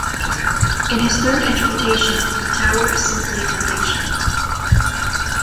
In his third interpretation, the Tower is simply damnation.